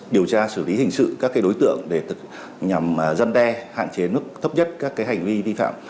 điều tra xử lý hình sự các đối tượng nhằm dân đe hạn chế mức tấp nhất các hành vi vi phạm